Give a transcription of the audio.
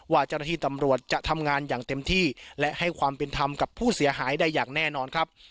ว่าเจ้าหน้าที่ตำรวจจะทำงานอย่างเต็มที่และให้ความเป็นธรรมกับผู้เสียหายได้อย่างแน่นอนครับ